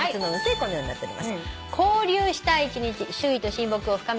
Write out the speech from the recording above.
このようになっております。